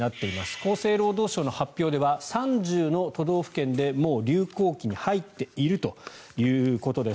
厚生労働省の発表では３０の都道府県でもう流行期に入っているということです。